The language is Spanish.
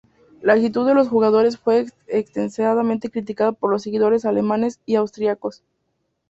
La actitud de los jugadores fue extensamente criticada por los seguidores alemanes y austríacos.